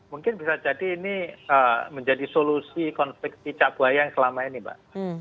mungkin bisa jadi ini menjadi solusi konflik cicak buaya yang selama ini pak